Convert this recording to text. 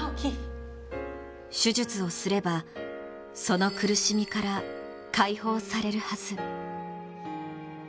手術をすれば、その苦しみから解放されるはず。